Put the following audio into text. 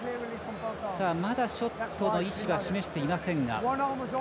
まだ、ショットの意思は示していませんが。